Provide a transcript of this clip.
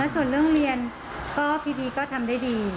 ส่วนเรื่องเรียนก็พี่บีก็ทำได้ดี